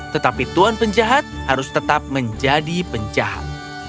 tetapi tuan penjahat harus tetap menjadi penjahat